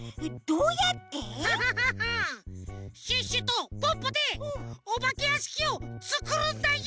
フフフフシュッシュとポッポでおばけやしきをつくるんだよ！